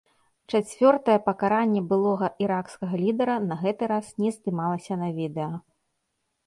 Чацвёртая пакаранне былога іракскага лідара на гэты раз не здымалася на відэа.